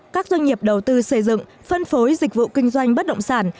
các doanh nghiệp đầu tư xây dựng phân phối dịch vụ kinh doanh bất động sản